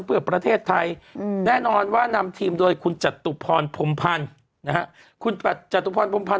เปิดประเทศไทยแน่นอนว่านำทีมโดยคุณจัตุพรพมพันธุ์คุณจัตุพรพมพันธุ์